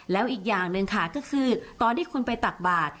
แล้วอีกอย่างหนึ่งค่ะก็คือตอนที่คุณไปตักบาท